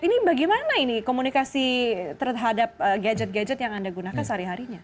ini bagaimana ini komunikasi terhadap gadget gadget yang anda gunakan sehari harinya